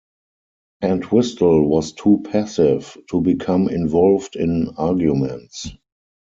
Entwistle was too passive to become involved in arguments.